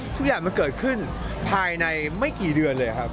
ทุกอย่างมันเกิดขึ้นภายในไม่กี่เดือนเลยครับ